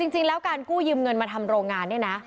จริงแล้วการกู้ยืมเงินมาทำโรงงานเนี่ยนะ